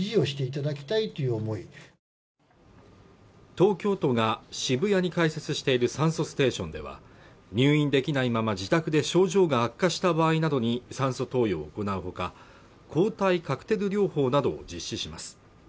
東京都が渋谷に開設している酸素ステーションでは入院できないまま自宅で症状が悪化した場合などに酸素投与を行うほか抗体カクテル療法などを実施します